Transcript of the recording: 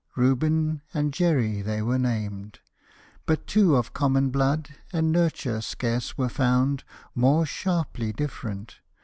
Reuben and Jerry they were named; but two Of common blood and nurture scarce were found More sharply different.